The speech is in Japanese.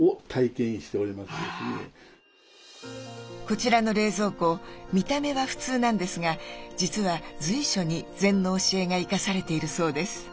こちらの冷蔵庫見た目は普通なんですが実は随所に禅の教えが生かされているそうです。